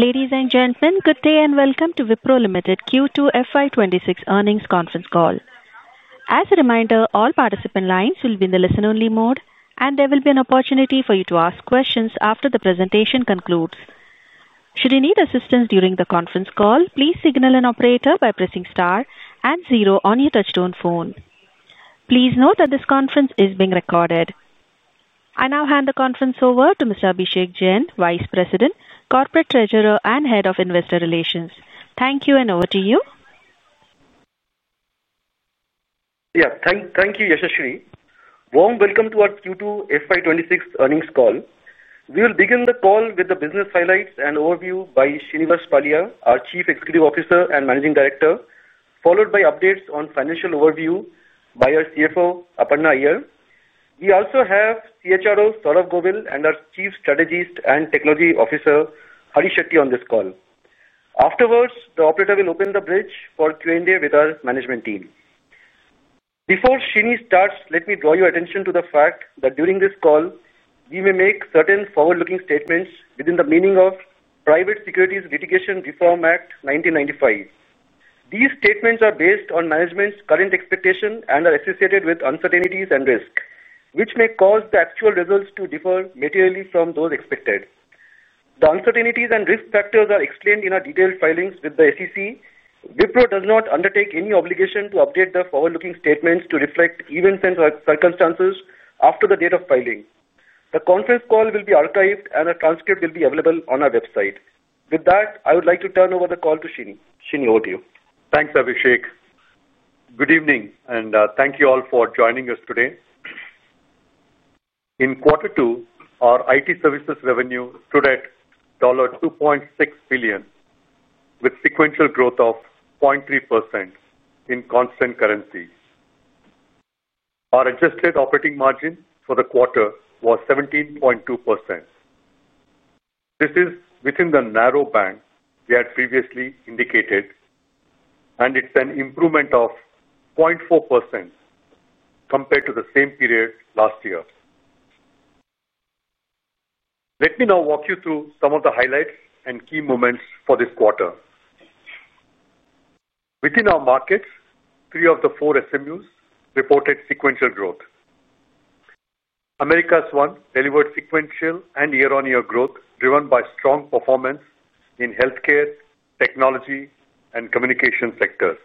Ladies and gentlemen, good day and welcome to Wipro Limited Q2 FY 2026 earnings conference call. As a reminder, all participant lines will be in the listen-only mode, and there will be an opportunity for you to ask questions after the presentation concludes. Should you need assistance during the conference call, please signal an operator by pressing star and zero on your touch-tone phone. Please note that this conference is being recorded. I now hand the conference over to Mr. Abhishek Jain, Vice President, Corporate Treasurer, and Head of Investor Relations. Thank you and over to you. Yes, thank you, Yashashri. Warm welcome to our Q2 FY 2026 earnings call. We will begin the call with the business highlights and overview by Srinivas Pallia, our Chief Executive Officer and Managing Director, followed by updates on financial overview by our CFO, Aparna Iyer. We also have CHRO Saurabh Govil and our Chief Strategist and Technology Officer, Hari Shetty, on this call. Afterwards, the operator will open the bridge for Q&A with our management team. Before Shrini starts, let me draw your attention to the fact that during this call, we may make certain forward-looking statements within the meaning of Private Securities Litigation Reform Act, 1995. These statements are based on management's current expectations and are associated with uncertainties and risks, which may cause the actual results to differ materially from those expected. The uncertainties and risk factors are explained in our detailed filings with the SEC. Wipro does not undertake any obligation to update the forward-looking statements to reflect events and circumstances after the date of filing. The conference call will be archived and a transcript will be available on our website. With that, I would like to turn over the call to Shrini. Shrini, over to you. Thanks, Abhishek. Good evening and thank you all for joining us today. In Q2, our IT services revenue grew at $2.6 billion, with sequential growth of 0.3% in constant currency. Our adjusted operating margin for the quarter was 17.2%. This is within the narrow band we had previously indicated, and it's an improvement of 0.4% compared to the same period last year. Let me now walk you through some of the highlights and key moments for this quarter. Within our markets, three of the four SMUs reported sequential growth. Americas 1 delivered sequential and year-on-year growth driven by strong performance in healthcare, technology, and communication sectors.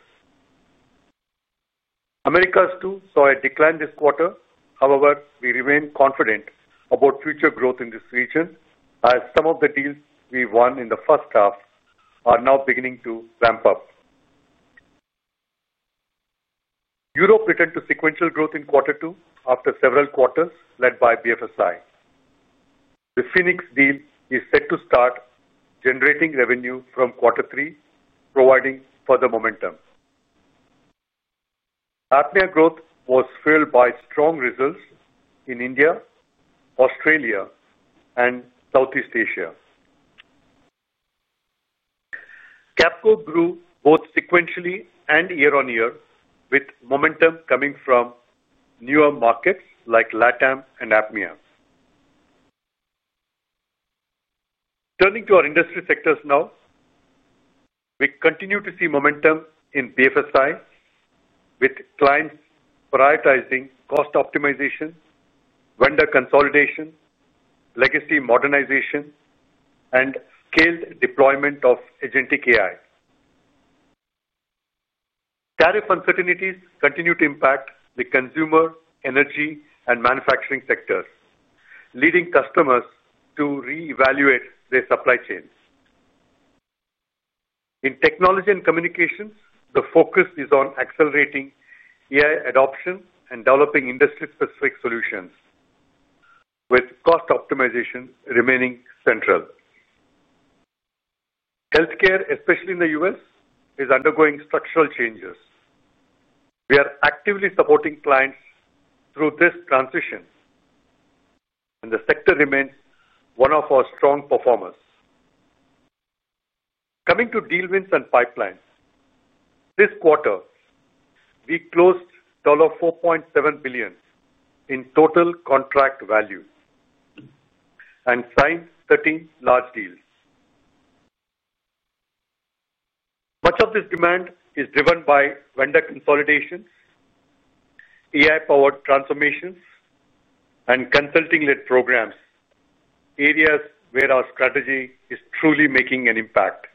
Americas 2 saw a decline this quarter, however, we remain confident about future growth in this region as some of the deals we won in the first half are now beginning to ramp up. Europe returned to sequential growth in Q2 after several quarters led by BFSI. The Phoenix deal is set to start generating revenue from Q3, providing further momentum. APMEA growth was fueled by strong results in India, Australia, and Southeast Asia. Capco grew both sequentially and year-on-year, with momentum coming from newer markets like LATAM and APMEA. Turning to our industry sectors now, we continue to see momentum in BFSI, with clients prioritizing cost optimization, vendor consolidation, legacy modernization, and scaled deployment of agentic AI. Tariff uncertainties continue to impact the consumer, energy, and manufacturing sectors, leading customers to reevaluate their supply chains. In technology and communications, the focus is on accelerating AI adoption and developing industry-specific solutions, with cost optimization remaining central. Healthcare, especially in the U.S., is undergoing structural changes. We are actively supporting clients through this transition, and the sector remains one of our strong performers. Coming to deal wins and pipelines, this quarter, we closed $4.7 billion in total contract value and signed 13 large deals. Much of this demand is driven by vendor consolidation, AI-powered transformations, and consulting-led programs, areas where our strategy is truly making an impact.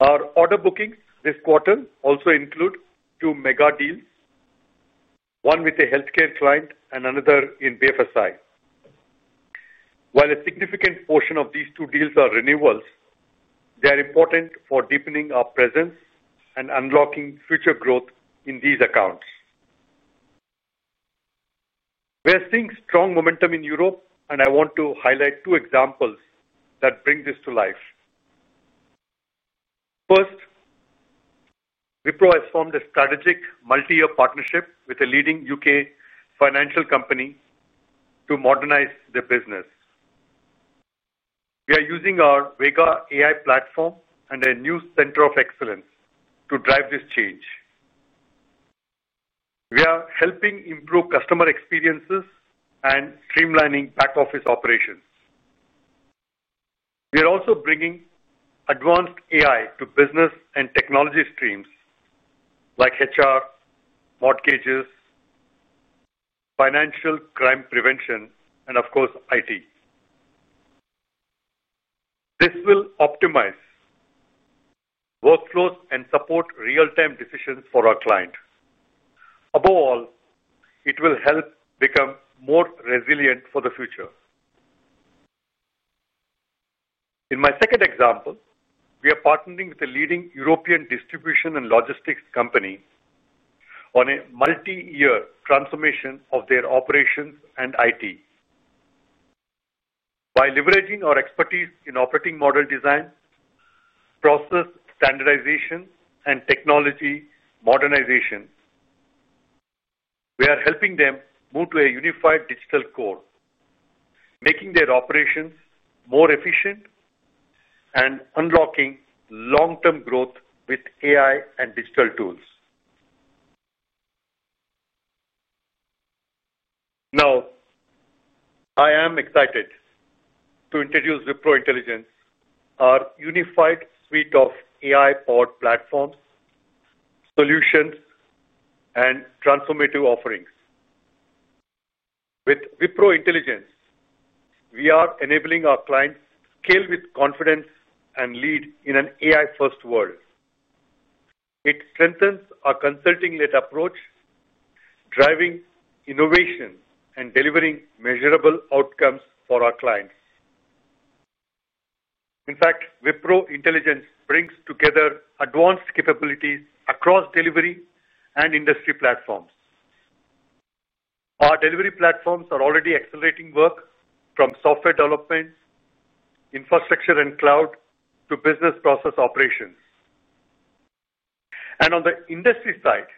Our order bookings this quarter also include two mega deals, one with a healthcare client and another in BFSI. While a significant portion of these two deals are renewals, they are important for deepening our presence and unlocking future growth in these accounts. We are seeing strong momentum in Europe, and I want to highlight two examples that bring this to life. First, Wipro has formed a strategic multi-year partnership with a leading U.K. financial company to modernize their business. We are using our WeGA AI platform and a new center of excellence to drive this change. We are helping improve customer experiences and streamlining back-office operations. We are also bringing advanced AI to business and technology streams like HR, mortgages, financial crime prevention, and of course, IT. This will optimize workflows and support real-time decisions for our clients. Above all, it will help become more resilient for the future. In my second example, we are partnering with a leading European distribution and logistics company on a multi-year transformation of their operations and IT. By leveraging our expertise in operating model design, process standardization, and technology modernization, we are helping them move to a unified digital core, making their operations more efficient and unlocking long-term growth with AI and digital tools. Now, I am excited to introduce Wipro Intelligence, our unified suite of AI-powered platforms, solutions, and transformative offerings. With Wipro Intelligence, we are enabling our clients to scale with confidence and lead in an AI-first world. It strengthens our consulting-led approach, driving innovation and delivering measurable outcomes for our clients. In fact, Wipro Intelligence brings together advanced capabilities across delivery and industry platforms. Our delivery platforms are already accelerating work from software development, infrastructure, and cloud to business process operations. On the industry side,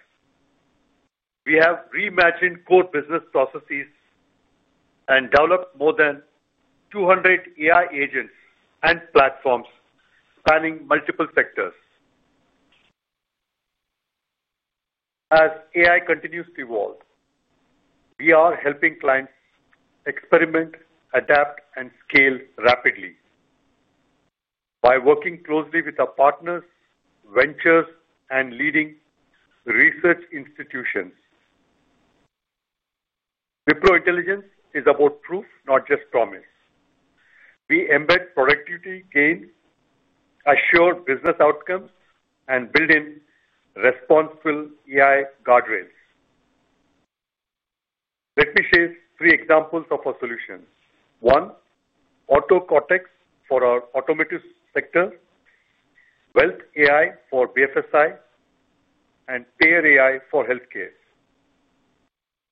we have reimagined core business processes and developed more than 200 AI agents and platforms spanning multiple sectors. As AI continues to evolve, we are helping clients experiment, adapt, and scale rapidly by working closely with our partners, ventures, and leading research institutions. Wipro Intelligence is about proof, not just promise. We embed productivity gains, assure business outcomes, and build in responsible AI guardrails. Let me share three examples of our solutions. One, AutoCortex for our automotive sector, WealthAI for BFSI, and PayerAI for healthcare.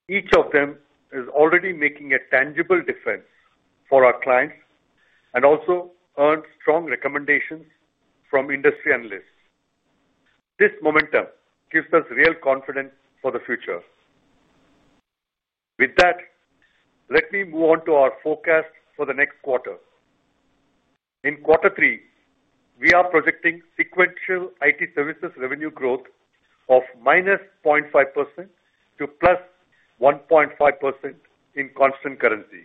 Each of them is already making a tangible difference for our clients and also earns strong recommendations from industry analysts. This momentum gives us real confidence for the future. With that, let me move on to our forecast for the next quarter. In Q3, we are projecting sequential IT services revenue growth of -0.5% to +1.5% in constant currency.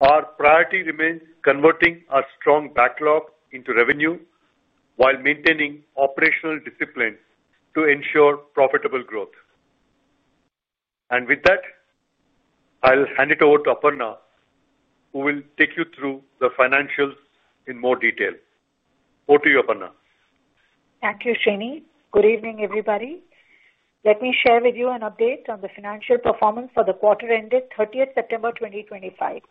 Our priority remains converting our strong backlog into revenue while maintaining operational discipline to ensure profitable growth. With that, I'll hand it over to Aparna, who will take you through the financials in more detail. Over to you, Aparna. Thank you, Srini. Good evening, everybody. Let me share with you an update on the financial performance for the quarter ended 30th September 2025.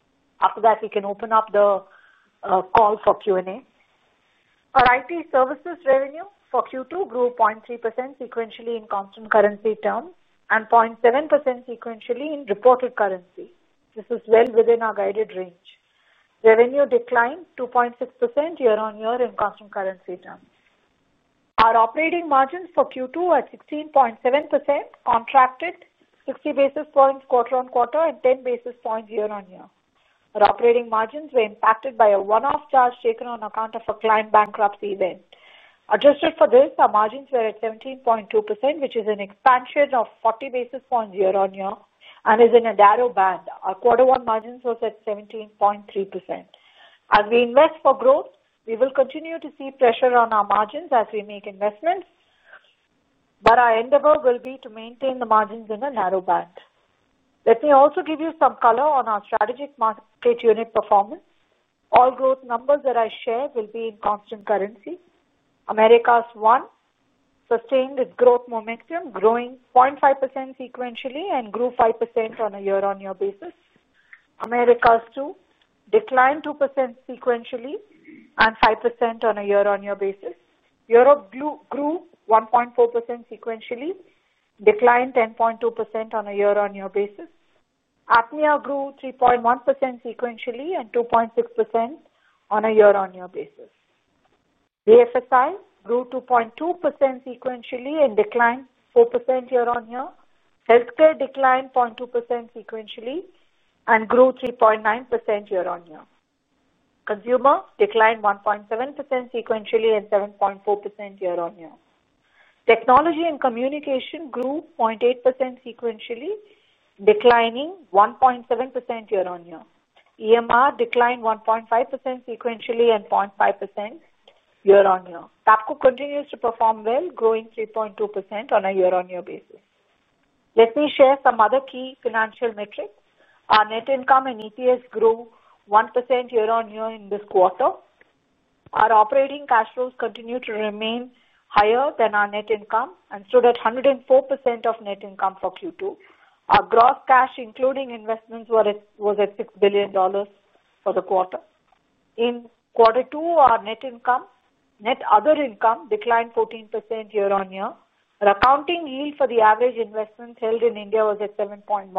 After that, we can open up the call for Q&A. Our IT services revenue for Q2 grew 0.3% sequentially in constant currency terms and 0.7% sequentially in reported currency. This is well within our guided range. Revenue declined 2.6% year-on-year in constant currency terms. Our operating margins for Q2 at 16.7% contracted 60 basis points quarter-on-quarter and 10 basis points year-on-year. Our operating margins were impacted by a one-off charge taken on account of a client bankruptcy event. Adjusted for this, our margins were at 17.2%, which is an expansion of 40 basis points year-on-year and is in a narrow band. Our quarter one margins were set at 17.3%. As we invest for growth, we will continue to see pressure on our margins as we make investments, but our endeavor will be to maintain the margins in a narrow band. Let me also give you some color on our strategic market unit performance. All growth numbers that I share will be in constant currency. Americas 1 sustained its growth momentum, growing 0.5% sequentially and grew 5% on a year-on-year basis. Americas 2 declined 2% sequentially and 5% on a year-on-year basis. Europe grew 1.4% sequentially, declined 10.2% on a year-on-year basis. APMEA grew 3.1% sequentially and 2.6% on a year-on-year basis. BFSI grew 2.2% sequentially and declined 4% year-on-year. Healthcare declined 0.2% sequentially and grew 3.9% year-on-year. Consumer declined 1.7% sequentially and 7.4% year-on-year. Technology and communication grew 0.8% sequentially, declining 1.7% year-on-year. EMR declined 1.5% sequentially and 0.5% year-on-year. Capco continues to perform well, growing 3.2% on a year-on-year basis. Let me share some other key financial metrics. Our net income and EPS grew 1% year-on-year in this quarter. Our operating cash flows continue to remain higher than our net income and stood at 104% of net income for Q2. Our gross cash, including investments, was at $6 billion for the quarter. In Q2, our net income, net other income declined 14% year-on-year. Our accounting yield for the average investments held in India was at 7.1%.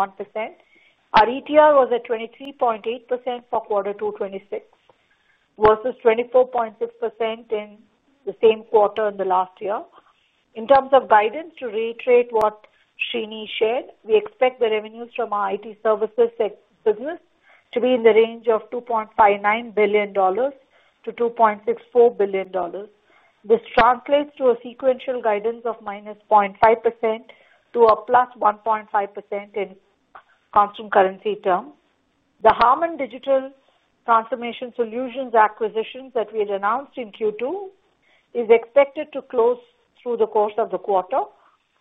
Our ETR was at 23.8% for Q2 2026 versus 24.6% in the same quarter in the last year. In terms of guidance to reiterate what Srini shared, we expect the revenues from our IT services business to be in the range of $2.59 billion to $2.64 billion. This translates to a sequential guidance of -0.5% to +1.5% in constant currency terms. The Harman Digital Transformation Solutions acquisition that we had announced in Q2 is expected to close through the course of the quarter.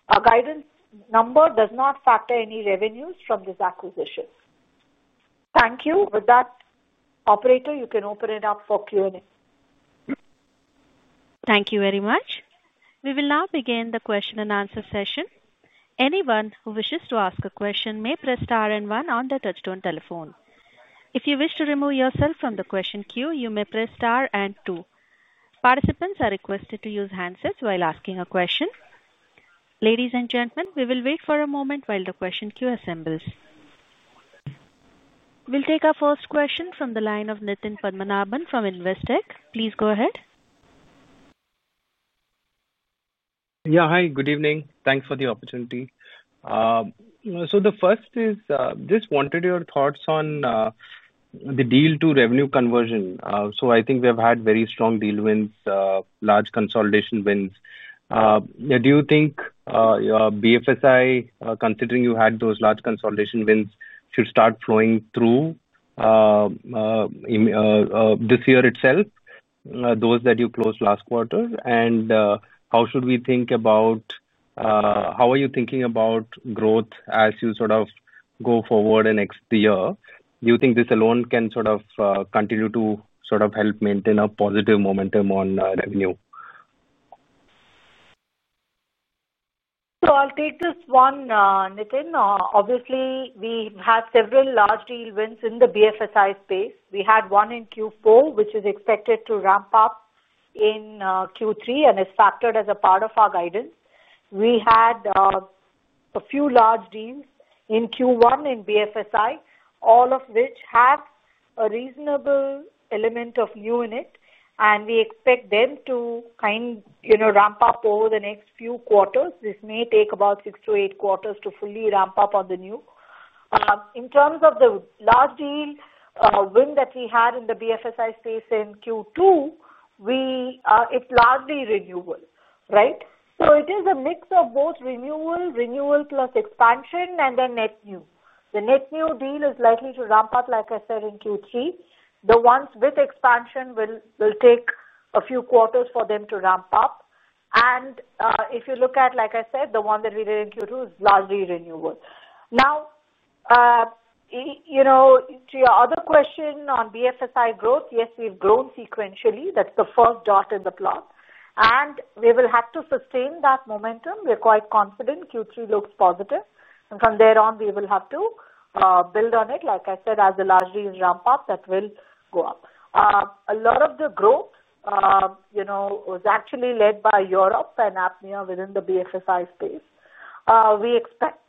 Our guidance number does not factor any revenues from this acquisition. Thank you. With that, operator, you can open it up for Q&A. Thank you very much. We will now begin the question and answer session. Anyone who wishes to ask a question may press star and one on the touch-tone telephone. If you wish to remove yourself from the question queue, you may press star and two. Participants are requested to use handsets while asking a question. Ladies and gentlemen, we will wait for a moment while the question queue assembles. We'll take our first question from the line of Nitin Padmanabhan from Investec. Please go ahead. Yeah, hi. Good evening. Thanks for the opportunity. The first is, just wanted your thoughts on the deal to revenue conversion. I think we have had very strong deal wins, large consolidation wins. Do you think BFSI, considering you had those large consolidation wins, should start flowing through this year itself, those that you closed last quarter? How should we think about how are you thinking about growth as you sort of go forward in the next year? Do you think this alone can sort of continue to sort of help maintain a positive momentum on revenue? I'll take this one, Nitin. Obviously, we had several large deal wins in the BFSI space. We had one in Q4, which is expected to ramp up in Q3 and is factored as a part of our guidance. We had a few large deals in Q1 in BFSI, all of which have a reasonable element of new in it, and we expect them to kind of ramp up over the next few quarters. This may take about six to eight quarters to fully ramp up on the new. In terms of the large deal win that we had in the BFSI space in Q2, it's largely renewal, right? It is a mix of both renewal, renewal plus expansion, and then net new. The net new deal is likely to ramp up, like I said, in Q3. The ones with expansion will take a few quarters for them to ramp up. If you look at, like I said, the one that we did in Q2, it is largely renewal. Now, to your other question on BFSI growth, yes, we've grown sequentially. That's the first dot in the plot. We will have to sustain that momentum. We're quite confident Q3 looks positive. From there on, we will have to build on it. Like I said, as the large deals ramp up, that will go up. A lot of the growth was actually led by Europe and APMEA within the BFSI space. We expect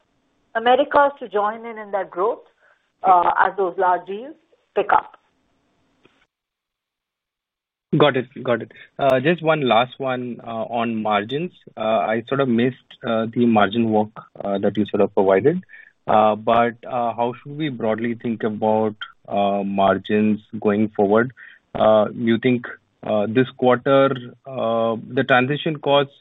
Americas to join in in that growth as those large deals pick up. Got it. Just one last one on margins. I sort of missed the margin work that you sort of provided. How should we broadly think about margins going forward? You think this quarter, the transition costs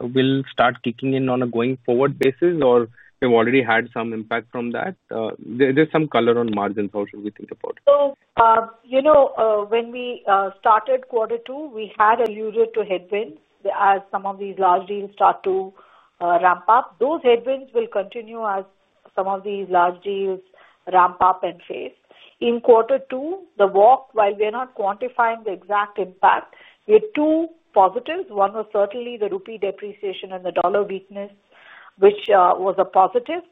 will start kicking in on a going-forward basis, or we've already had some impact from that? There's some color on margins. How should we think about it? When we started Q2, we had alluded to headwinds as some of these large deals start to ramp up. Those headwinds will continue as some of these large deals ramp up and phase. In Q2, the walk, while we're not quantifying the exact impact, we had two positives. One was certainly the rupee depreciation and the dollar weakness, which was a positive.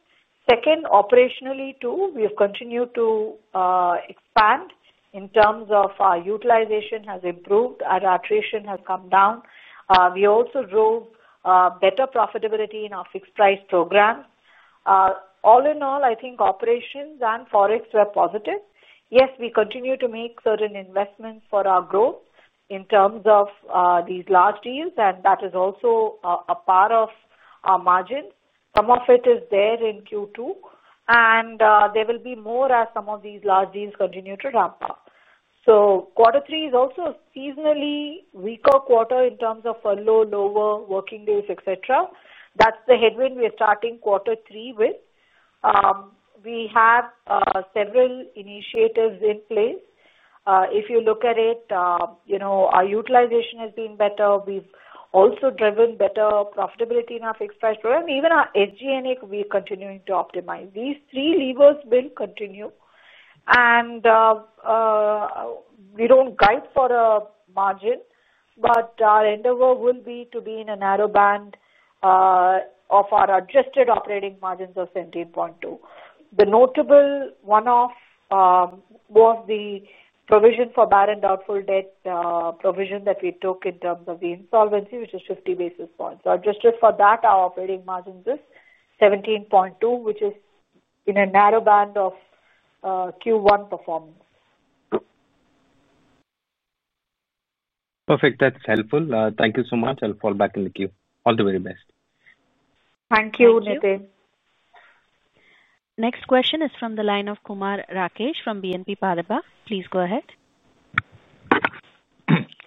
Second, operationally, too, we have continued to expand. In terms of our utilization, it has improved. Our attrition has come down. We also drove better profitability in our fixed-price programs. All in all, I think operations and forex were positive. Yes, we continue to make certain investments for our growth in terms of these large deals, and that is also a part of our margins. Some of it is there in Q2, and there will be more as some of these large deals continue to ramp up. Q3 is also a seasonally weaker quarter in terms of lower working days, etc. That's the headwind we're starting Q3 with. We have several initiatives in place. If you look at it, our utilization has been better. We've also driven better profitability in our fixed-price program. Even our SG&A, we're continuing to optimize. These three levers will continue. We don't guide for a margin, but our endeavor will be to be in a narrow band of our adjusted operating margins of 17.2%. The notable one-off was the provision for bar and doubtful debt provision that we took in terms of the insolvency, which is 50 basis points. Adjusted for that, our operating margins are 17.2%, which is in a narrow band of Q1 performance. Perfect. That's helpful. Thank you so much. I'll fall back in the queue. All the very best. Thank you, Nitin. Next question is from the line of Kumar Rakesh from BNP Paribas. Please go ahead.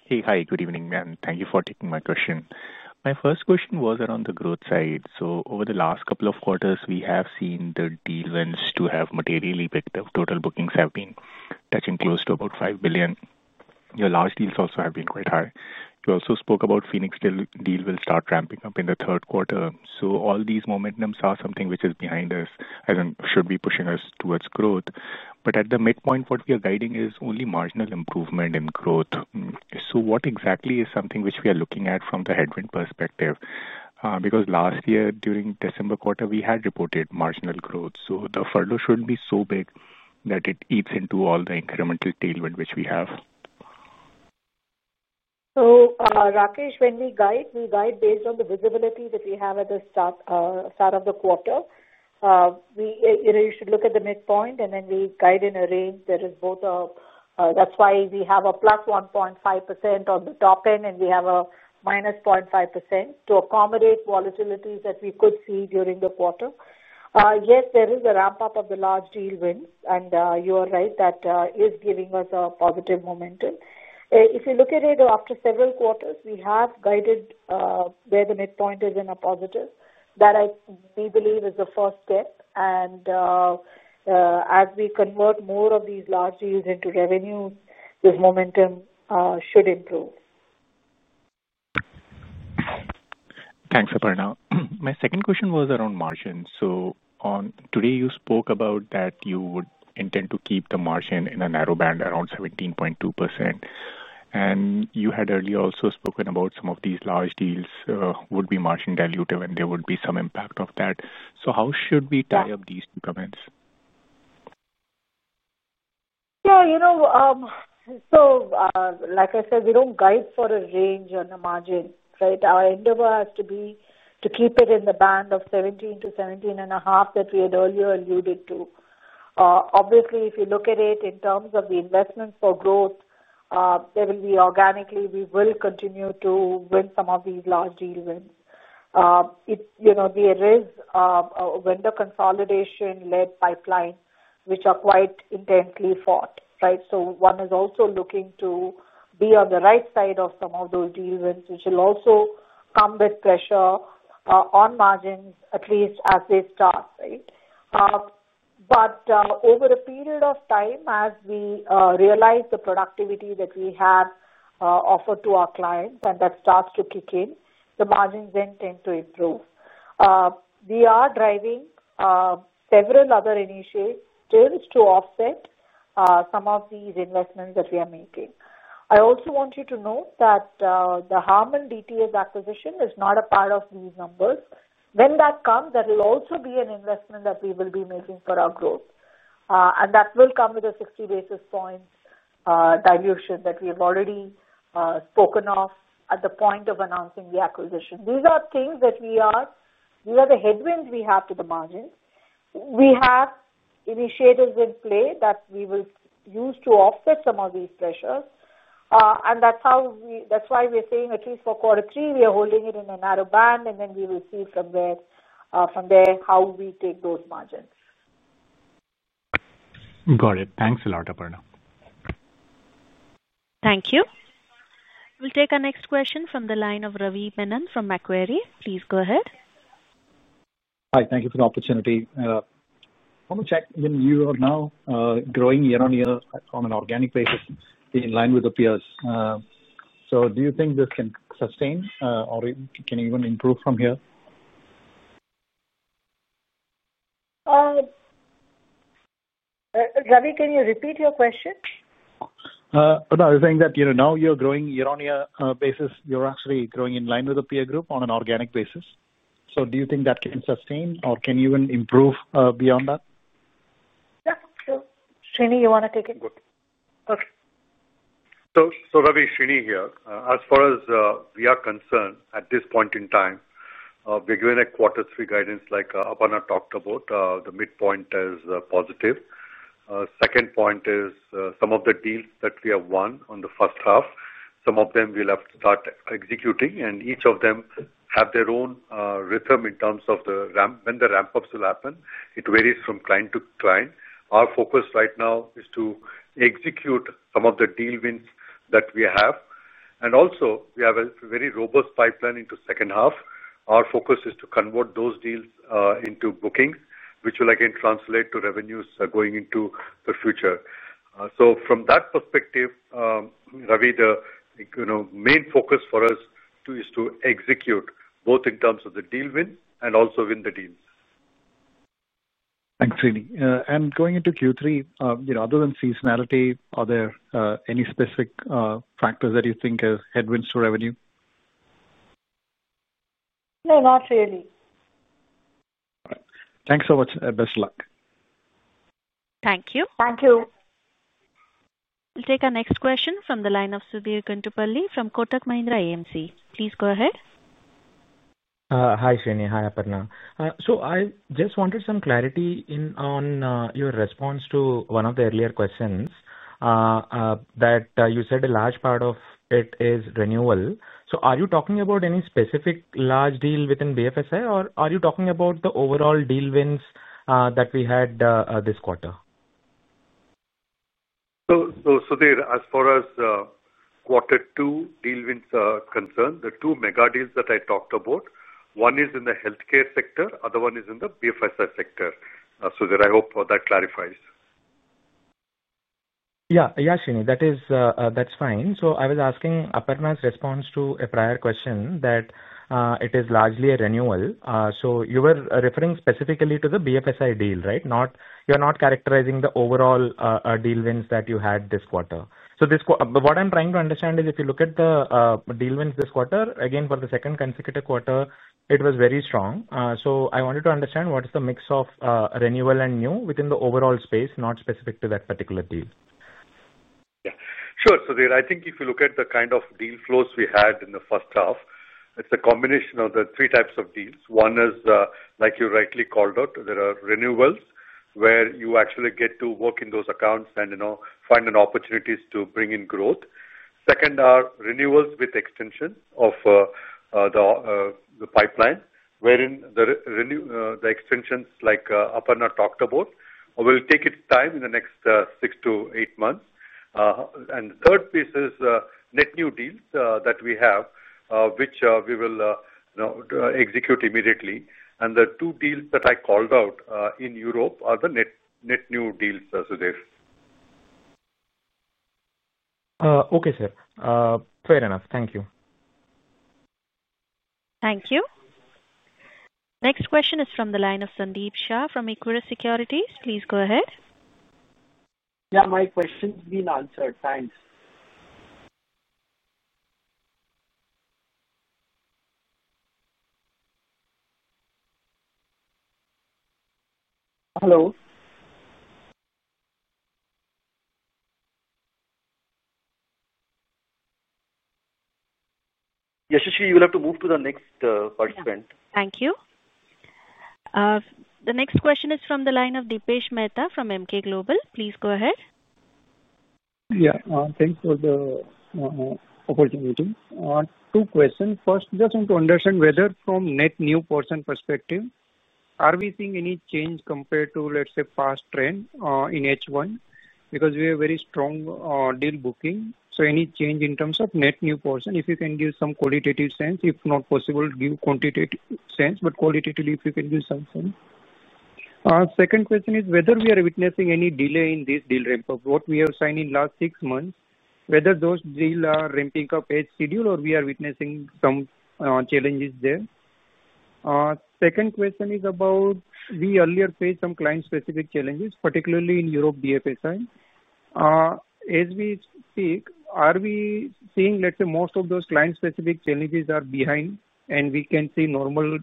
Hey, hi. Good evening, ma'am. Thank you for taking my question. My first question was around the growth side. Over the last couple of quarters, we have seen the deal wins have materially picked up. Total bookings have been touching close to about $5 billion. Your large deals also have been quite high. You also spoke about the Phoenix deal will start ramping up in the third quarter. All these momentums are something which is behind us and should be pushing us towards growth. At the midpoint, what we are guiding is only marginal improvement in growth. What exactly is something which we are looking at from the headwind perspective? Last year, during the December quarter, we had reported marginal growth. The furlough shouldn't be so big that it eats into all the incremental tailwind which we have. Rakesh, when we guide, we guide based on the visibility that we have at the start of the quarter. You should look at the midpoint, and then we guide in a range that is both +1.5% on the top end and -0.5% to accommodate volatilities that we could see during the quarter. Yes, there is a ramp-up of the large deal wins, and you are right. That is giving us a positive momentum. If you look at it after several quarters, we have guided where the midpoint is in a positive. That we believe is the first step. As we convert more of these large deals into revenues, this momentum should improve. Thanks, Aparna. My second question was around margins. Today, you spoke about that you would intend to keep the margin in a narrow band around 17.2%. You had earlier also spoken about some of these large deals would be margin dilutive, and there would be some impact of that. How should we tie up these two comments? Yeah, you know, like I said, we don't guide for a range on the margin, right? Our endeavor has to be to keep it in the band of 17%-17.5% that we had earlier alluded to. Obviously, if you look at it in terms of the investments for growth, there will be, organically, we will continue to win some of these large deal wins. There is a vendor consolidation-led pipeline, which are quite intensely fought, right? One is also looking to be on the right side of some of those deal wins, which will also come with pressure on margins, at least as they start, right? Over a period of time, as we realize the productivity that we have offered to our clients and that starts to kick in, the margins then tend to improve. We are driving several other initiatives to offset some of these investments that we are making. I also want you to note that the Harman DTS acquisition is not a part of these numbers. When that comes, that will also be an investment that we will be making for our growth. That will come with a 60 basis points dilution that we have already spoken of at the point of announcing the acquisition. These are things that we are, these are the headwinds we have to the margins. We have initiatives in play that we will use to offset some of these pressures. That's why we're saying at least for Q3, we are holding it in a narrow band, and then we will see from there how we take those margins. Got it. Thanks a lot, Aparna. Thank you. We'll take our next question from the line of Ravi Menon from Macquarie. Please go ahead. Hi. Thank you for the opportunity. I want to check when you are now growing year on year on an organic basis in line with the peers. Do you think this can sustain or can you even improve from here? Ravi, can you repeat your question? I was saying that you know now you're growing year on year basis. You're actually growing in line with the peer group on an organic basis. Do you think that can sustain or can you even improve beyond that? Yeah, Srini, you want to take it? Good. Okay. Ravi, Shrini here. As far as we are concerned, at this point in time, we're giving a quarter-three guidance like Aparna talked about. The midpoint is positive. The second point is some of the deals that we have won in the first half, some of them we'll have to start executing, and each of them have their own rhythm in terms of when the ramp-ups will happen. It varies from client to client. Our focus right now is to execute some of the deal wins that we have. We have a very robust pipeline into the second half. Our focus is to convert those deals into bookings, which will again translate to revenues going into the future. From that perspective, Ravi, the main focus for us is to execute both in terms of the deal win and also win the deals. Thanks, Srini. Going into Q3, other than seasonality, are there any specific factors that you think are headwinds to revenue? No, not really. All right. Thanks so much. Best of luck. Thank you. Thank you. We'll take our next question from the line of Sudheer Guntupalli from Kotak Mahindra AMC. Please go ahead. Hi, Shrini. Hi, Aparna. I just wanted some clarity on your response to one of the earlier questions that you said a large part of it is renewal. Are you talking about any specific large deal within BFSI, or are you talking about the overall deal wins that we had this quarter? As far as Q2 deal wins are concerned, the two mega deals that I talked about, one is in the healthcare sector, the other one is in the BFSI sector. Sudheer, I hope that clarifies. Yes, Shrini, that's fine. I was asking Aparna's response to a prior question that it is largely a renewal. You were referring specifically to the BFSI deal, right? You're not characterizing the overall deal wins that you had this quarter. What I'm trying to understand is if you look at the deal wins this quarter, again, for the second consecutive quarter, it was very strong. I wanted to understand what is the mix of renewal and new within the overall space, not specific to that particular deal. Yeah. Sure. I think if you look at the kind of deal flows we had in the first half, it's a combination of the three types of deals. One is, like you rightly called out, there are renewals where you actually get to work in those accounts and find opportunities to bring in growth. The second are renewals with extension of the pipeline, wherein the extensions, like Aparna talked about, will take its time in the next six to eight months. The third piece is net new deals that we have, which we will execute immediately. The two deals that I called out in Europe are the net new deals, Subir. Okay, sir. Fair enough. Thank you. Thank you. Next question is from the line of Sandeep Shah from Equirus Securities. Please go ahead. Yeah, my question's been answered. Thanks. Hello? Yashashri, you'll have to move to the next participant. Thank you. The next question is from the line of Dipesh Mehta from Emkay Global. Please go ahead. Yeah. Thanks for the opportunity. Two questions. First, just want to understand whether from net new person perspective, are we seeing any change compared to, let's say, past trend in H1? Because we have very strong deal booking. Any change in terms of net new person, if you can give some qualitative sense? If not possible, give quantitative sense. Qualitatively, if you can give some sense. Our second question is whether we are witnessing any delay in this deal ramp-up. What we have seen in the last six months, whether those deals are ramping up as scheduled or we are witnessing some challenges there. Our second question is about we earlier faced some client-specific challenges, particularly in Europe BFSI. As we speak, are we seeing, let's say, most of those client-specific challenges are behind and we can see normal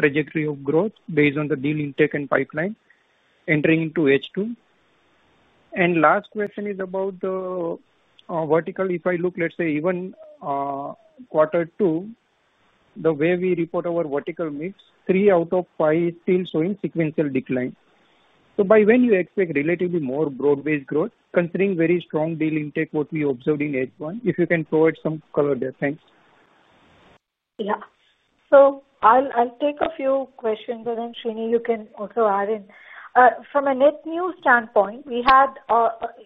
trajectory of growth based on the deal intake and pipeline entering into H2? Last question is about the vertical. If I look, let's say, even Q2, the way we report our vertical mix, three out of five still showing sequential decline. By when do you expect relatively more broad-based growth, considering very strong deal intake what we observed in H1, if you can provide some color there. Thanks. Yeah. I'll take a few questions, and then, Srini, you can also add in. From a net new standpoint, we had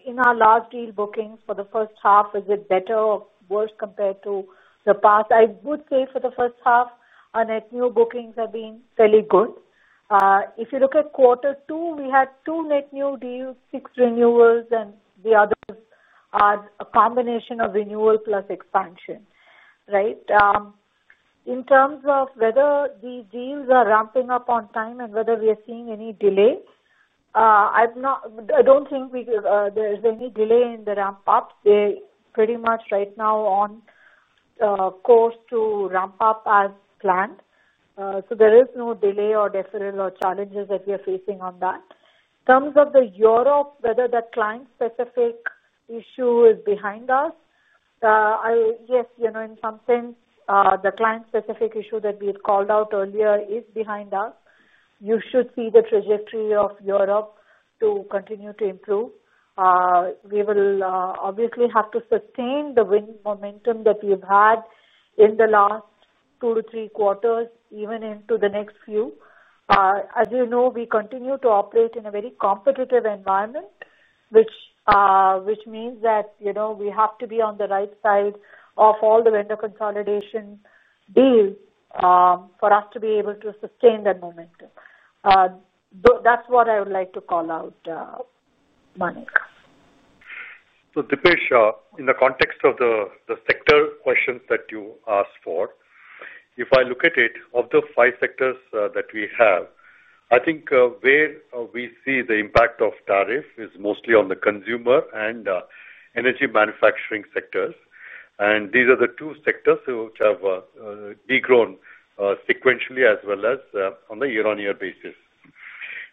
in our last deal bookings for the first half, is it better or worse compared to the past? I would say for the first half, our net new bookings have been fairly good. If you look at Q2, we had two net new deals, six renewals, and the others are a combination of renewal plus expansion, right? In terms of whether these deals are ramping up on time and whether we are seeing any delay, I don't think there's any delay in the ramp-up. They're pretty much right now on course to ramp up as planned. There is no delay or deferral or challenges that we are facing on that. In terms of Europe, whether that client-specific issue is behind us, yes, you know in some sense, the client-specific issue that we had called out earlier is behind us. You should see the trajectory of Europe continue to improve. We will obviously have to sustain the win momentum that we have had in the last two to three quarters, even into the next few. As you know, we continue to operate in a very competitive environment, which means that we have to be on the right side of all the vendor consolidation deals for us to be able to sustain that momentum. That's what I would like to call out, Manik. Deepesh, in the context of the sector questions that you asked for, if I look at it, of the five sectors that we have, I think where we see the impact of tariff is mostly on the consumer and energy manufacturing sectors. These are the two sectors which have degrown sequentially as well as on the year-on-year basis.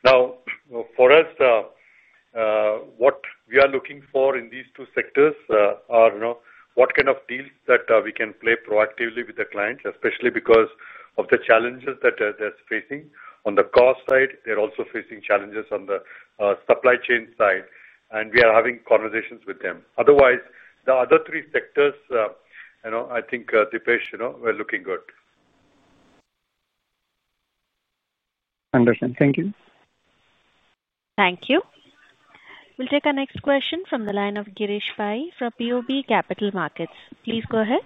For us, what we are looking for in these two sectors are what kind of deals that we can play proactively with the clients, especially because of the challenges that they're facing on the cost side. They're also facing challenges on the supply chain side, and we are having conversations with them. Otherwise, the other three sectors, you know, I think, Dipesh, we're looking good. Understood. Thank you. Thank you. We'll take our next question from the line of Girish Pai from BOB Capital Markets. Please go ahead.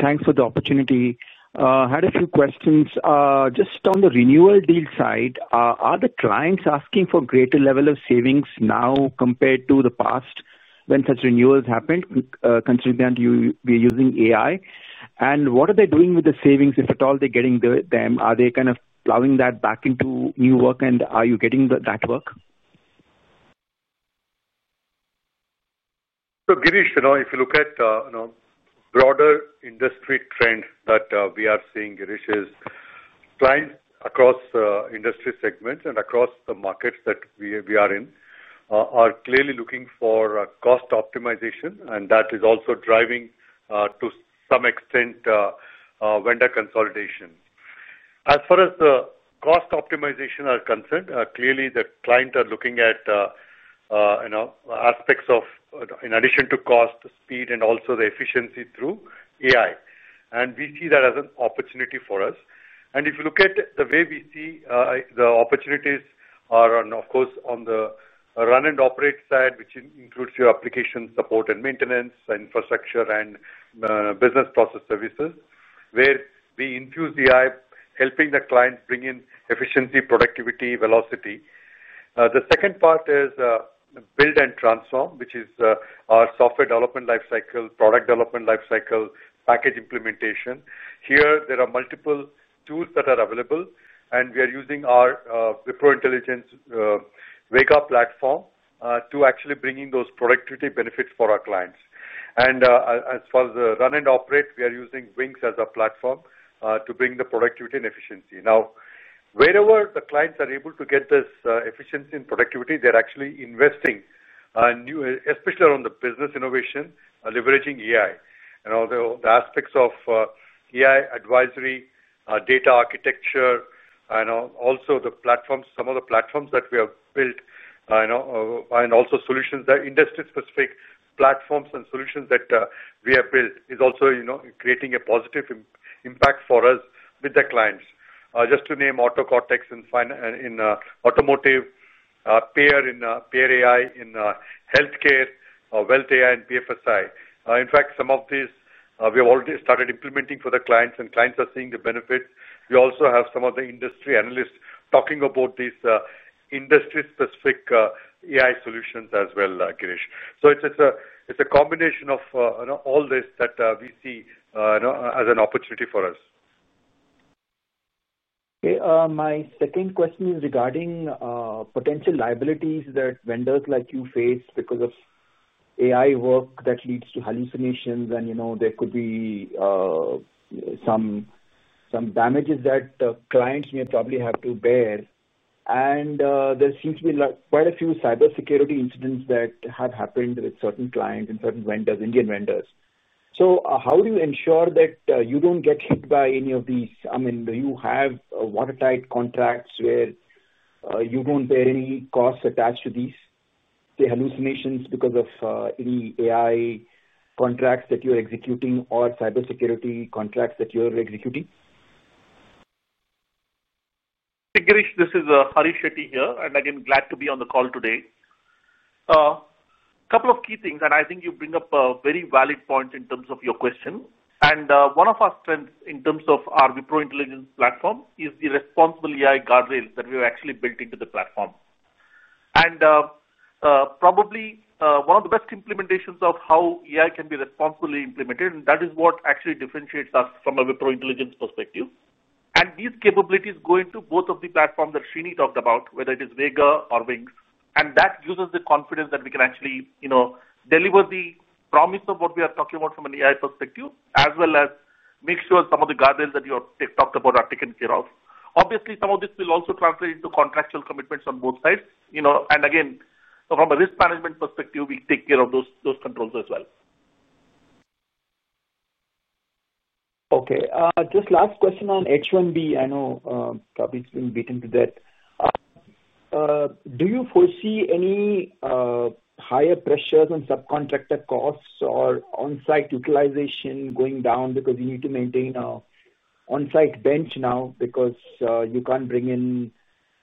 Thanks for the opportunity. I had a few questions. Just on the renewal deal side, are the clients asking for a greater level of savings now compared to the past when such renewals happened, considering that you were using AI? What are they doing with the savings, if at all they're getting them? Are they kind of plowing that back into new work, and are you getting that work? If you look at the broader industry trend that we are seeing, Girish, clients across industry segments and across the markets that we are in are clearly looking for cost optimization, and that is also driving to some extent vendor consolidation. As far as the cost optimization is concerned, clearly the clients are looking at aspects of, in addition to cost, speed, and also the efficiency through AI. We see that as an opportunity for us. If you look at the way we see the opportunities, they are, of course, on the run and operate side, which includes your application support and maintenance, infrastructure, and business process services, where we infuse the AI, helping the client bring in efficiency, productivity, velocity. The second part is build and transform, which is our software development lifecycle, product development lifecycle, package implementation. Here, there are multiple tools that are available, and we are using our Wipro Intelligence Vega platform to actually bring in those productivity benefits for our clients. As far as the run and operate, we are using Winx as a platform to bring the productivity and efficiency. Wherever the clients are able to get this efficiency and productivity, they're actually investing, especially around the business innovation, leveraging AI and all the aspects of AI advisory, data architecture, and also the platforms, some of the platforms that we have built, and also solutions that are industry-specific platforms and solutions that we have built are also creating a positive impact for us with the clients. Just to name AutoCortex in automotive, PayerAI in healthcare, WealthAI in BFSI. In fact, some of these we have already started implementing for the clients, and clients are seeing the benefits. We also have some of the industry analysts talking about these industry-specific AI solutions as well, Girish. It's a combination of all this that we see as an opportunity for us. Okay. My second question is regarding potential liabilities that vendors like you face because of artificial intelligence work that leads to hallucinations, and you know there could be some damages that clients may probably have to bear. There seems to be quite a few cybersecurity incidents that have happened with certain clients and certain vendors, Indian vendors. How do you ensure that you don't get hit by any of these? Do you have watertight contracts where you don't bear any costs attached to these hallucinations because of any artificial intelligence contracts that you're executing or cybersecurity contracts that you're executing? Hey, Girish. This is Hari Shetty here, glad to be on the call today. A couple of key things, you bring up a very valid point in terms of your question. One of our strengths in terms of our Wipro Intelligence platform is the responsible AI guardrails that we have actually built into the platform. It is probably one of the best implementations of how AI can be responsibly implemented, and that is what actually differentiates us from a Wipro Intelligence perspective. These capabilities go into both of the platforms that Srinivas Pallia talked about, whether it is WeGa or [Winx], and that gives us the confidence that we can actually deliver the promise of what we are talking about from an AI perspective, as well as make sure some of the guardrails that you talked about are taken care of. Some of this will also translate into contractual commitments on both sides. From a risk management perspective, we take care of those controls as well. Okay. Just last question on H1B. I know probably it's been beaten to death. Do you foresee any higher pressures on subcontractor costs or on-site utilization going down because you need to maintain an on-site bench now because you can't bring in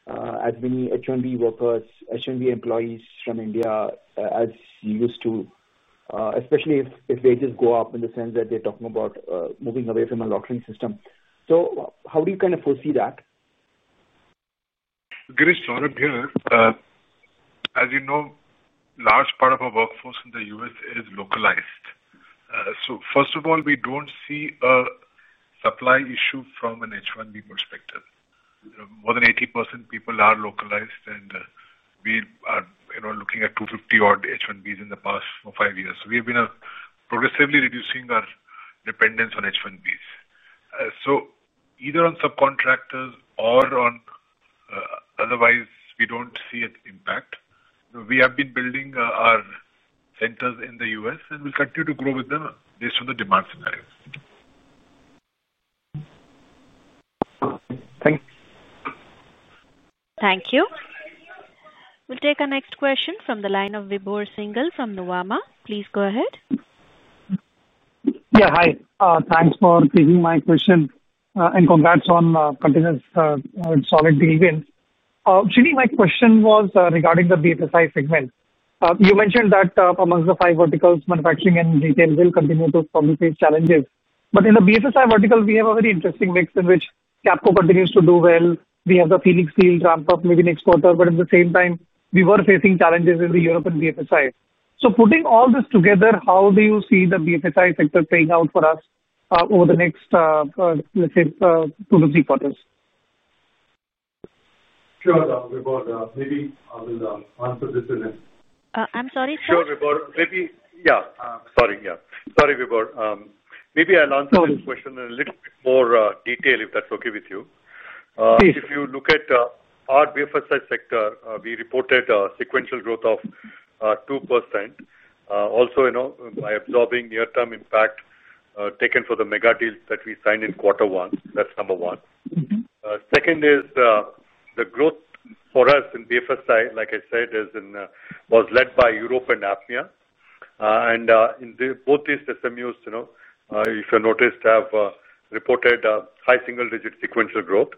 as many H1B workers, H1B employees from India as you used to, especially if wages go up in the sense that they're talking about moving away from a lottery system? How do you kind of foresee that? Girish, Saurabh here. As you know, a large part of our workforce in the U.S. is localized. First of all, we don't see a supply issue from an H1B perspective. More than 80% of people are localized, and we are looking at 250-odd H1Bs in the past four or five years. We have been progressively reducing our dependence on H1Bs. Either on subcontractors or otherwise, we don't see an impact. We have been building our centers in the U.S., and we'll continue to grow with them based on the demand scenario. Thank you. Thank you. We'll take our next question from the line of Vibhor Singhal from Nuvama. Please go ahead. Yeah, hi. Thanks for taking my question, and congrats on continuous solid deal wins. Shrini, my question was regarding the BFSI segment. You mentioned that amongst the five verticals, manufacturing and retail will continue to probably face challenges. In the BFSI vertical, we have a very interesting mix in which Capco continues to do well. We have the Phoenix deal ramp up maybe next quarter. At the same time, we were facing challenges in Europe and BFSI. Putting all this together, how do you see the BFSI sector playing out for us over the next, let's say, two to three quarters? Sure, Vibhor. Maybe I will answer this in a. I'm sorry, sir. Sure, Vibhor. Maybe I'll answer this question in a little bit more detail if that's okay with you. Please. If you look at our BFSI sector, we reported a sequential growth of 2%. Also, by absorbing near-term impact taken for the mega deals that we signed in Q1. That's number one. Second is the growth for us in BFSI, like I said, was led by Europe and APMEA. In both these SMUs, if you noticed, have reported high single-digit sequential growth.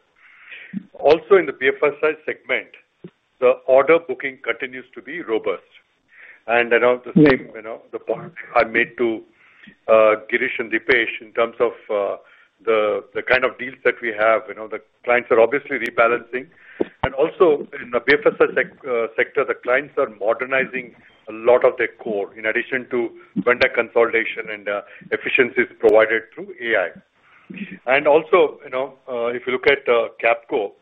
Also, in the BFSI segment, the order booking continues to be robust. The same point I made to Girish and Dipesh in terms of the kind of deals that we have. The clients are obviously rebalancing. In the BFSI sector, the clients are modernizing a lot of their core in addition to vendor consolidation and efficiencies provided through AI. If you look at Capco,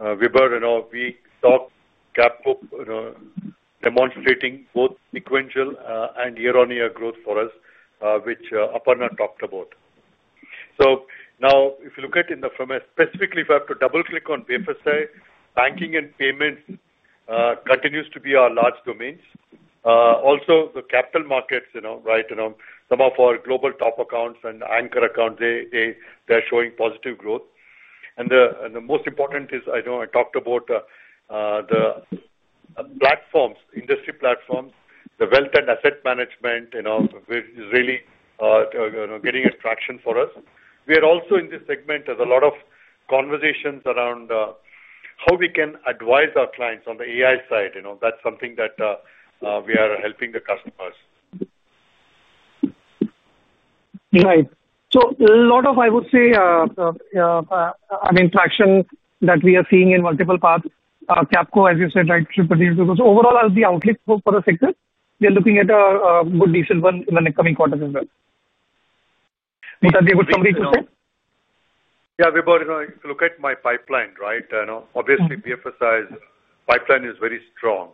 Vibhor, we saw Capco demonstrating both sequential and year-on-year growth for us, which Aparna talked about. If you look at it specifically, if I have to double-click on BFSI, banking and payments continues to be our large domains. The capital markets, some of our global top accounts and anchor accounts, they're showing positive growth. The most important is, I talked about the platforms, industry platforms, the wealth and asset management is really getting attraction for us. We are also in this segment. There's a lot of conversations around how we can advise our clients on the AI side. That's something that we are helping the customers. Right. A lot of, I would say, traction that we are seeing in multiple parts. Capco, as you said, should produce because overall as the outlet for the sector, they're looking at a good, decent run in the coming quarters as well. Is that a good summary to say? Yeah, Vibhor, if you look at my pipeline, right? Obviously, BFSI's pipeline is very strong.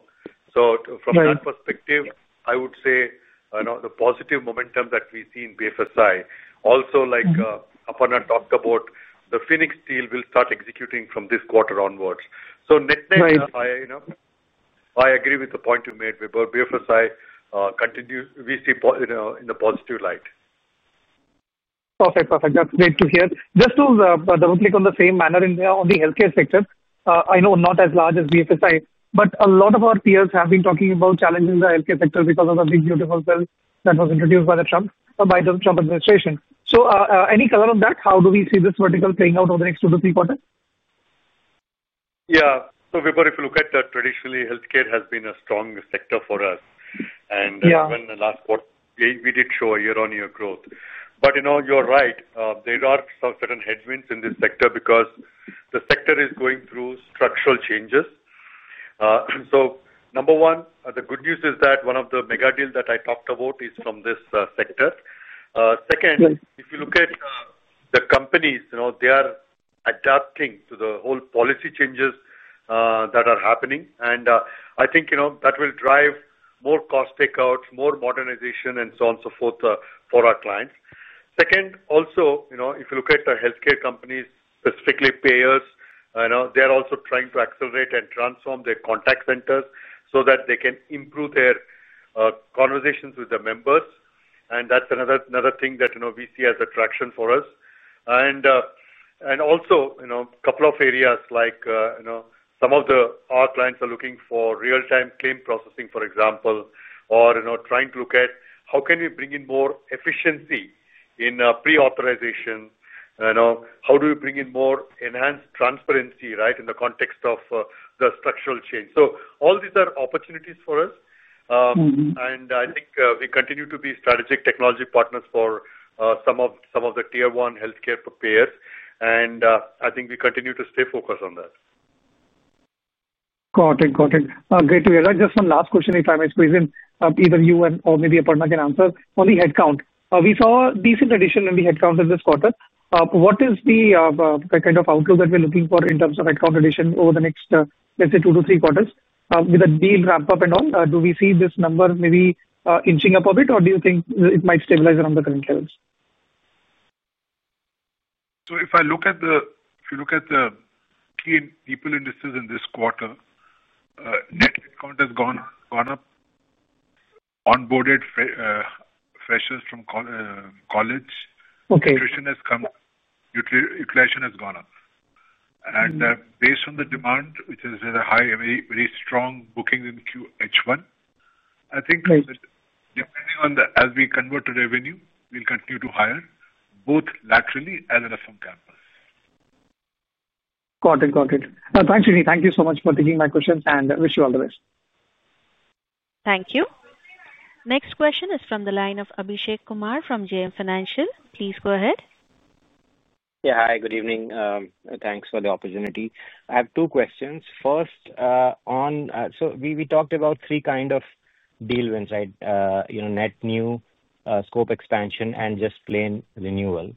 From that perspective, I would say the positive momentum that we see in BFSI, also, like Aparna talked about, the Phoenix deal will start executing from this quarter onwards. I agree with the point you made, Vibhor. BFSI continues, we see in a positive light. Perfect. That's great to hear. Just to double-click on the same manner in there on the healthcare sector, I know not as large as BFSI, but a lot of our peers have been talking about challenges in the healthcare sector because of the big beautiful bill that was introduced by the Trump administration. Any color on that? How do we see this vertical playing out over the next two to three quarters? Yeah. Vibhor, if you look at that, traditionally, healthcare has been a strong sector for us. Even in the last quarter, we did show a year-on-year growth. You're right, there are certain headwinds in this sector because the sector is going through structural changes. Number one, the good news is that one of the mega deals that I talked about is from this sector. Second, if you look at the companies, they are adapting to the whole policy changes that are happening. I think that will drive more cost takeouts, more modernization, and so on and so forth for our clients. Also, if you look at the healthcare companies, specifically payers, they're trying to accelerate and transform their contact centers so that they can improve their conversations with the members. That's another thing that we see as attraction for us. A couple of areas, like some of our clients are looking for real-time claim processing, for example, or trying to look at how can we bring in more efficiency in pre-authorization. How do we bring in more enhanced transparency in the context of the structural change? All these are opportunities for us. I think we continue to be strategic technology partners for some of the tier-one healthcare payers. I think we continue to stay focused on that. Got it. Great to hear. Just one last question, if I may squeeze in, either you or maybe Aparna can answer. On the headcount, we saw a decent addition in the headcount in this quarter. What is the kind of outlook that we're looking for in terms of headcount addition over the next, let's say, two to three quarters? With the deal ramp-up and all, do we see this number maybe inching up a bit, or do you think it might stabilize around the current levels? If I look at the key people indices in this quarter, net headcount has gone up. Onboarded freshers from college, attrition has come, utilization has gone up. Based on the demand, which is very high, very strong bookings in H1, I think that depending on the as we convert to revenue, we'll continue to hire both laterally as well as from campus. Got it. Got it. Thanks, Srini. Thank you so much for taking my questions, and I wish you all the best. Thank you. Next question is from the line of Abhishek Kumar from JM Financial. Please go ahead. Yeah, hi. Good evening. Thanks for the opportunity. I have two questions. First, we talked about three kinds of deal wins, right? You know, net new, scope expansion, and just plain renewal.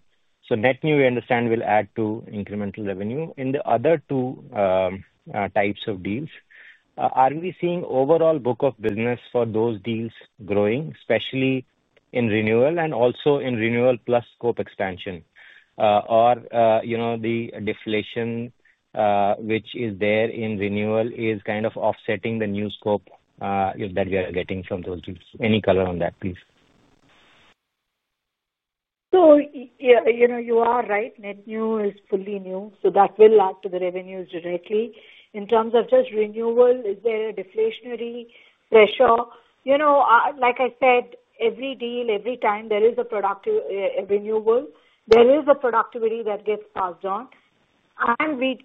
So net new, we understand, will add to incremental revenue. In the other two types of deals, are we seeing overall book of business for those deals growing, especially in renewal and also in renewal plus scope expansion? Or, you know, the deflation which is there in renewal is kind of offsetting the new scope, you know, that we are getting from those deals? Any color on that, please. Yes, you are right. Net new is fully new, so that will add to the revenues directly. In terms of just renewal, is there a deflationary pressure? Like I said, every deal, every time there is a productive renewal, there is a productivity that gets passed on. We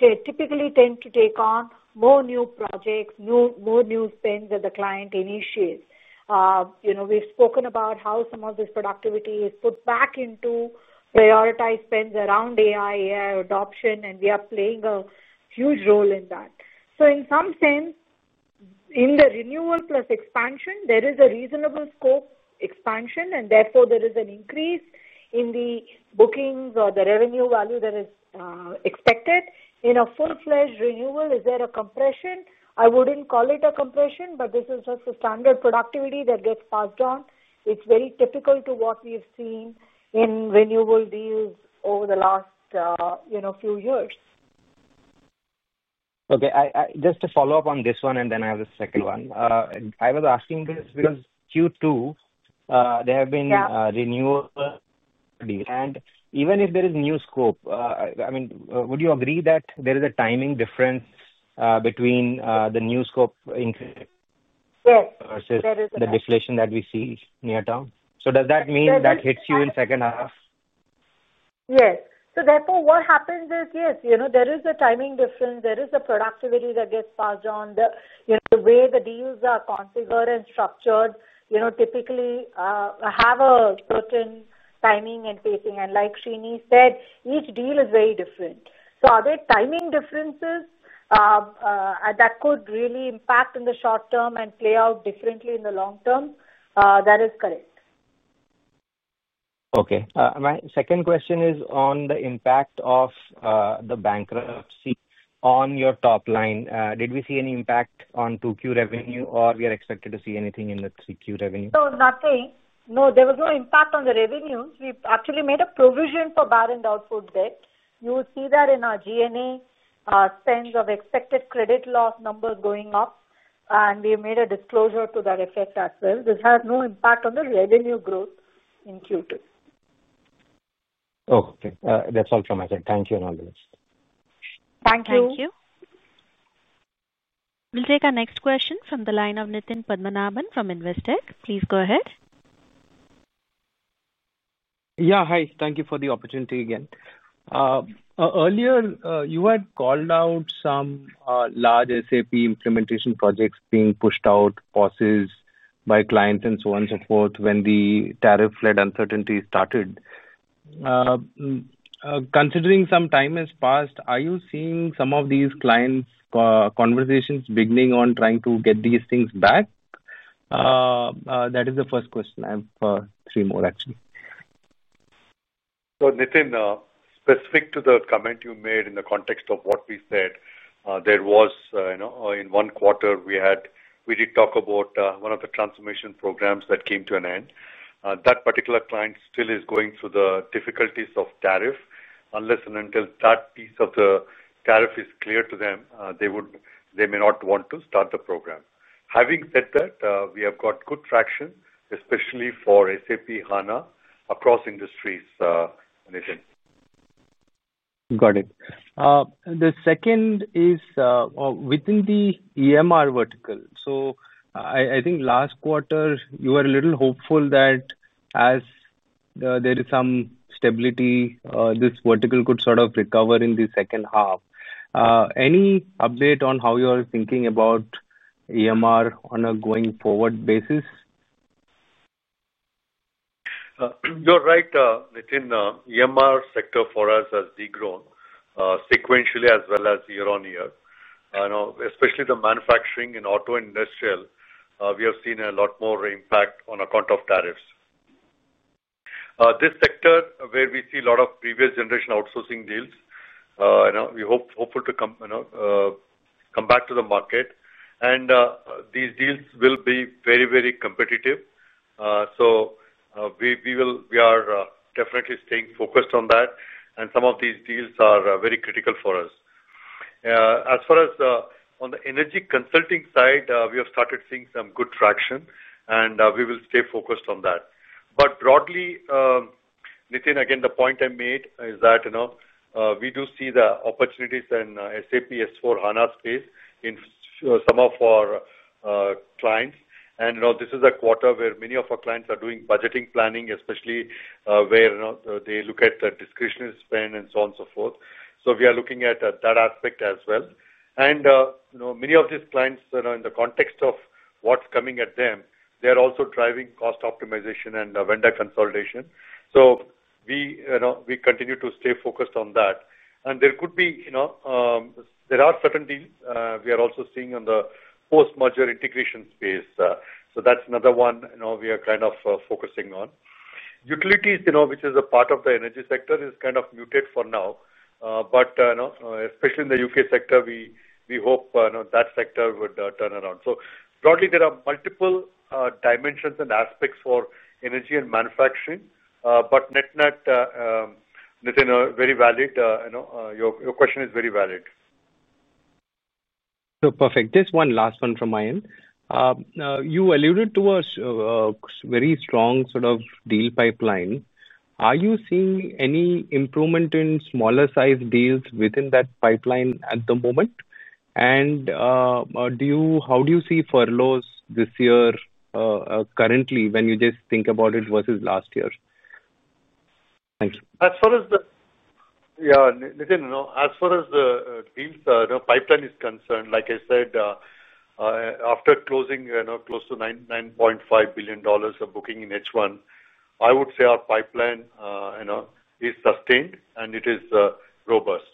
typically tend to take on more new projects, more new spends that the client initiates. We've spoken about how some of this productivity is put back into prioritized spends around AI, AI adoption, and we are playing a huge role in that. In some sense, in the renewal plus expansion, there is a reasonable scope expansion, and therefore, there is an increase in the bookings or the revenue value that is expected. In a full-fledged renewal, is there a compression? I wouldn't call it a compression, but this is just a standard productivity that gets passed on. It's very typical to what we have seen in renewal deals over the last few years. Okay. Just to follow up on this one, I have the second one. I was asking this because Q2, there have been renewal deals. Even if there is new scope, would you agree that there is a timing difference between the new scope increase versus the deflation that we see near term? Does that mean that hits you in the second half? Yes, so therefore, what happens is, yes, you know, there is a timing difference. There is a productivity that gets passed on. The way the deals are configured and structured, you know, typically have a certain timing and pacing. Like Srini said, each deal is very different. Are there timing differences that could really impact in the short term and play out differently in the long term? That is correct. Okay. My second question is on the impact of the bankruptcy on your top line. Did we see any impact on 2Q revenue, or are we expected to see anything in the 3Q revenue? No, nothing. No, there was no impact on the revenues. We actually made a provision for bad and doubtful debt. You will see that in our G&A spends of expected credit loss numbers going up. We made a disclosure to that effect as well. This has no impact on the revenue growth in Q2. Okay, that's all from my side. Thank you and all the best. Thank you. Thank you. We'll take our next question from the line of Nitin Padmanabhan from Investec. Please go ahead. Yeah, hi. Thank you for the opportunity again. Earlier, you had called out some large SAP implementation projects being pushed out, pauses by clients, and so on and so forth when the tariff-led uncertainty started. Considering some time has passed, are you seeing some of these clients' conversations beginning on trying to get these things back? That is the first question. I have three more, actually. Nitin, specific to the comment you made in the context of what we said, in one quarter, we did talk about one of the transformation programs that came to an end. That particular client still is going through the difficulties of tariff. Unless and until that piece of the tariff is clear to them, they may not want to start the program. Having said that, we have got good traction, especially for SAP HANA across industries, Nitin. Got it. The second is within the EMR vertical. I think last quarter, you were a little hopeful that as there is some stability, this vertical could sort of recover in the second half. Any update on how you're thinking about EMR on a going-forward basis? You're right, Nitin. EMR sector for us has degrown sequentially as well as year on year. Especially the manufacturing and auto industrial, we have seen a lot more impact on account of tariffs. This sector, where we see a lot of previous generation outsourcing deals, we're hopeful to come back to the market. These deals will be very, very competitive. We are definitely staying focused on that, and some of these deals are very critical for us. As far as on the energy consulting side, we have started seeing some good traction, and we will stay focused on that. Broadly, Nitin, again, the point I made is that we do see the opportunities in SAP S/4HANA space in some of our clients. This is a quarter where many of our clients are doing budgeting planning, especially where they look at the discretionary spend and so on and so forth. We are looking at that aspect as well. Many of these clients, in the context of what's coming at them, are also driving cost optimization and vendor consolidation. We continue to stay focused on that. There are certain deals we are also seeing on the post-merger integration space. That's another one we are kind of focusing on. Utilities, which is a part of the energy sector, is kind of muted for now. Especially in the U.K. sector, we hope that sector would turn around. Broadly, there are multiple dimensions and aspects for energy and manufacturing. Nitin, very valid. Your question is very valid. Perfect. Just one last one from my end. You alluded to a very strong sort of deal pipeline. Are you seeing any improvement in smaller-sized deals within that pipeline at the moment? How do you see furloughs this year currently when you just think about it versus last year? Thank you. As far as the, yeah, Nitin, as far as the deal pipeline is concerned, like I said, after closing close to $9.5 billion of booking in H1, I would say our pipeline is sustained and it is robust.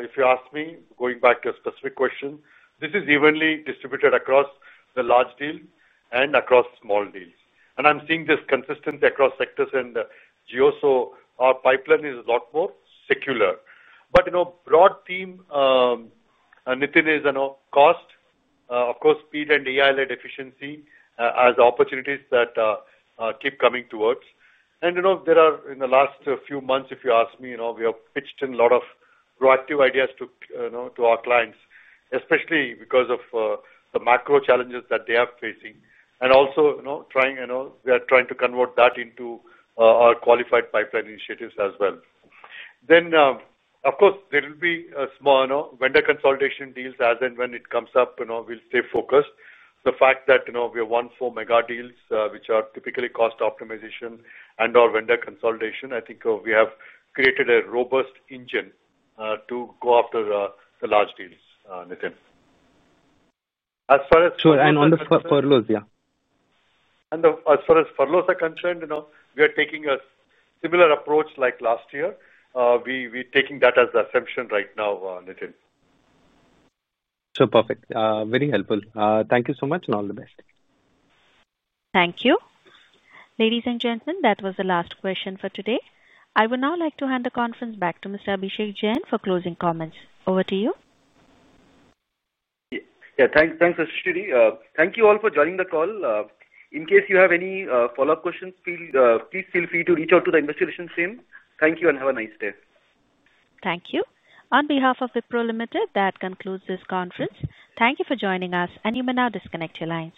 If you ask me, going back to a specific question, this is evenly distributed across the large deals and across small deals. I'm seeing this consistently across sectors and GEO. Our pipeline is a lot more secular. The broad theme, Nitin, is cost, of course, speed, and AI-led efficiency as opportunities that keep coming towards. In the last few months, if you ask me, we have pitched in a lot of proactive ideas to our clients, especially because of the macro challenges that they are facing. We are trying to convert that into our qualified pipeline initiatives as well. There will be small vendor consolidation deals as and when it comes up. We'll stay focused. The fact that we have won four mega deals, which are typically cost optimization and/or vendor consolidation, I think we have created a robust engine to go after the large deals, Nitin. Sure, on the furloughs, yeah. As far as furloughs are concerned, we are taking a similar approach like last year. We're taking that as the assumption right now, Nitin. Perfect. Very helpful. Thank you so much and all the best. Thank you. Ladies and gentlemen, that was the last question for today. I would now like to hand the conference back to Mr. Abhishek Jain for closing comments. Over to you. Yeah, thanks, Srini. Thank you all for joining the call. In case you have any follow-up questions, please feel free to reach out to the investor relations team. Thank you and have a nice day. Thank you. On behalf of Wipro Limited, that concludes this conference. Thank you for joining us, and you may now disconnect your lines.